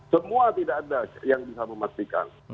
semua tidak ada yang bisa memastikan